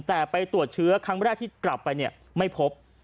แต่ไปตรวจเชื้อครั้งแรกที่กลับไปเนี่ยไม่พบ